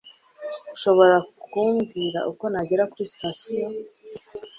Urashobora kumbwira uko nagera kuri sitasiyo?